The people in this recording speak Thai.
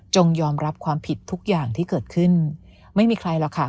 ยอมรับความผิดทุกอย่างที่เกิดขึ้นไม่มีใครหรอกค่ะ